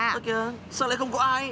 thôi kìa sao lại không có ai